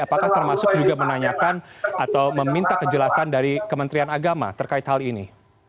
apakah termasuk juga menanyakan atau meminta kejelasan dari kementerian agama terkait hal ini